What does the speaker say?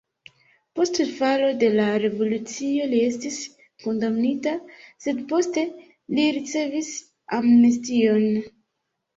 Post falo de la revolucio li estis kondamnita, sed poste li ricevis amnestion.